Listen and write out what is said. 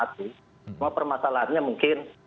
cuma permasalahannya mungkin